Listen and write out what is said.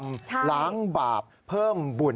ล้างบาปเพิ่มบุญ